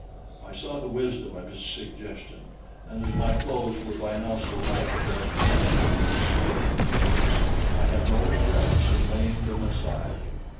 I saw the wisdom of his suggestion, and as my clothes were by now so ragged as to but half conceal my nakedness, I had no regrets in laying them aside.